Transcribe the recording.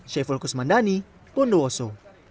syekh fulkus mandani bondowoso